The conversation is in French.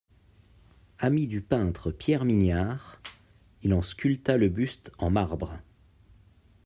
Ami du peintre Pierre Mignard, il en sculpta le buste en marbre.